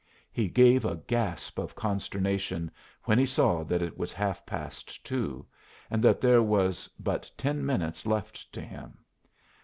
He gave a gasp of consternation when he saw that it was half past two, and that there was but ten minutes left to him.